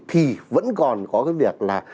thì vẫn còn có cái việc là